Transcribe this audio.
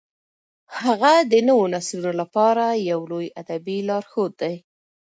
هغه د نوو نسلونو لپاره یو لوی ادبي لارښود دی.